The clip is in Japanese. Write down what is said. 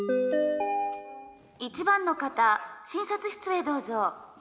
「１番の方診察室へどうぞ」。